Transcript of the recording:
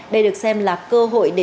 đây được xem là cơ hội để